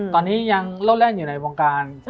ตอนนี้ยังโลดแร่นอยู่ในวงการ